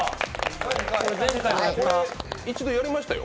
一度、やりましたよ。